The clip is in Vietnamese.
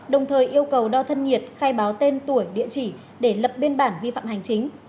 đồng thời yêu cầu đo thân nhiệt khai báo tên tuổi địa chỉ để lập biên bản vi phạm hành chính